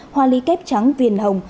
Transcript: hoa ly kép trắng viền hồng